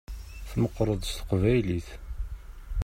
Tmeqqṛeḍ-d s teqbaylit.